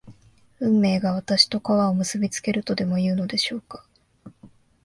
運命が私と川を結びつけるとでもいうのでしょうか